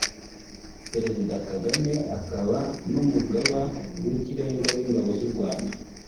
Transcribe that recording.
Perezida Kagame akaba n’umugaba w’ikirenga w’Ingabo z’u Rwanda